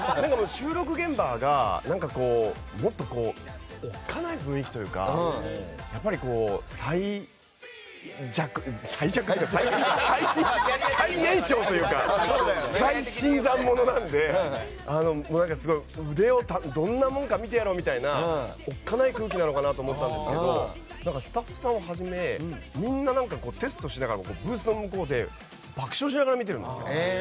収録現場がもっとおっかない雰囲気というかやっぱり最弱っていうか最年少というか新参者なので、腕がどんなものか見てやろうというようなおっかない空気なのかなと思ったんですけどスタッフさんをはじめみんなテストをしながらブースの向こうで爆笑しながら見ているんですよ。